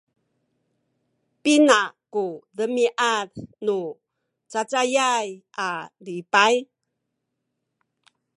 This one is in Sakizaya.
pina ku demiad nu cacayay a lipay?